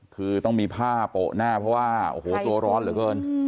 คือต้องมีผ้าโปะหน้าเพราะว่าโอ้โหตัวร้อนเหลือเกิน